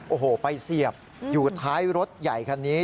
โอ้โหไปเสียบอยู่ท้ายรถใหญ่คันนี้